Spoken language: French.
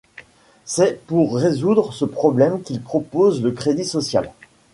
C'est pour résoudre ce problème qu'il propose le crédit social.